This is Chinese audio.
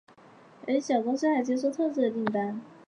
也有些小公司还接受特制的订单。